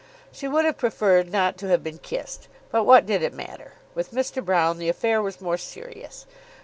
She would have preferred not to have been kissed; but what did it matter? With Mr. Broune the affair was more serious.